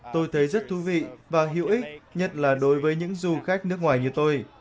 tôi thấy rất thú vị và hữu ích nhất là đối với những du khách nước ngoài như tôi